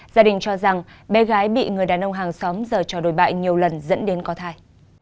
gia đình cho rằng bé gái bị người đàn ông hàng xóm giờ trò đồi bại nhiều lần dẫn đến có thai